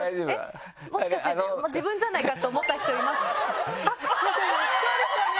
もしかして自分じゃないかって思った人います？ですよね！